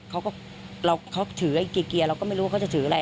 เขาก็ถือเกียร์เราก็ไม่รู้เขาจะถืออะไร